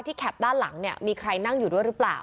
แคปด้านหลังเนี่ยมีใครนั่งอยู่ด้วยหรือเปล่า